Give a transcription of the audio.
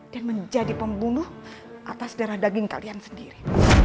dan menjadi pembunuh atas darah daging kalian sendiri